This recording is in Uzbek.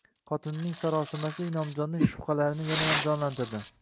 Xotinining sarosimasi Inomjonning shubhalarini yanayam jonlantirdi